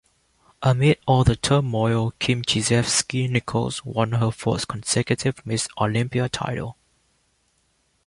Amid all the turmoil, Kim Chizevsky-Nicholls won her fourth consecutive Ms. Olympia title.